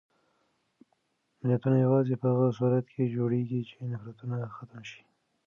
ملتونه یوازې په هغه صورت کې جوړېږي چې نفرتونه ختم شي.